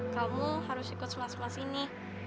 kamu harus ikut semua semua sini